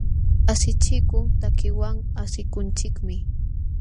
Asichikuq takiwan asikunchikmi.